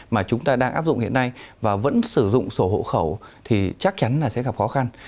mà chúng ta đang áp dụng hiện nay và vẫn sử dụng sổ hộ khẩu thì chắc chắn là sẽ gặp khó khăn